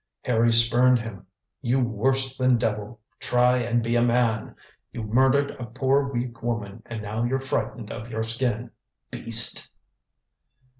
Harry spurned him. "You worse than devil, try and be a man. You murdered a poor, weak woman and now you're frightened of your skin. Beast!"